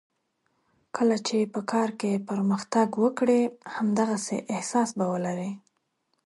کله چې په کار کې پرمختګ وکړې همدغسې احساس به ولرې.